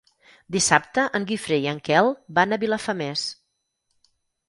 Dissabte en Guifré i en Quel van a Vilafamés.